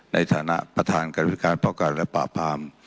ในฐานะประธานกรรมวิการป้องกันและปราบปราม